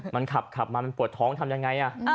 มันขับมามันปวดท้องทำยังไง